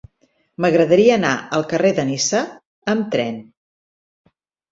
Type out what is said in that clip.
M'agradaria anar al carrer de Niça amb tren.